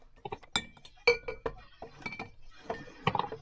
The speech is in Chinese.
万历三十八年庚戌科第三甲第九十名进士。